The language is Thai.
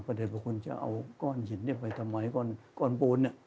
พระเจ้าบุคคลจะเอาก้อนหินไปทำไมก้อนบูนเนี่ย